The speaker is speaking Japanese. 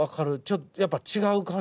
ちょっとやっぱ。